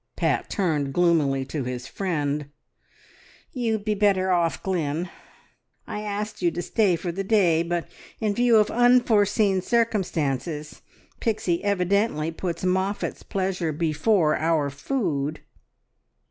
Pat turned gloomily to his friend. "You'd better be off, Glynn. I asked you to stay for the day, but in view of unforeseen circumstances. ... Pixie evidently puts Moffatt's pleasure before our food."